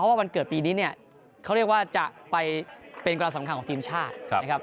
เพราะว่าวันเกิดปีนี้เนี่ยเขาเรียกว่าจะไปเป็นการสำคัญของทีมชาติครับ